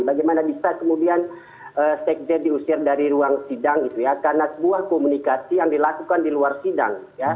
bagaimana bisa kemudian sekjen diusir dari ruang sidang itu ya karena sebuah komunikasi yang dilakukan di luar sidang